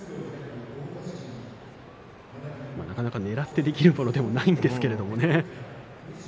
なかなかねらってできるものでもないんですけどもね。